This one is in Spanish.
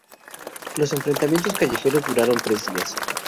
Los enfrentamientos callejeros duraron tres días.